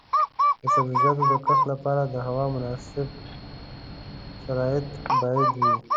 د سبزیجاتو د کښت لپاره د هوا مناسب شرایط باید وي.